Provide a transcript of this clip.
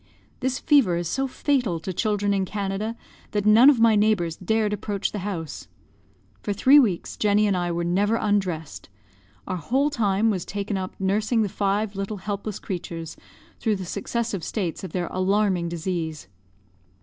This fever is so fatal to children in Canada that none of my neighbors dared approach the house. For three weeks Jenny and I were never undressed; our whole time was taken up nursing the five little helpless creatures through the successive states of their alarming disease.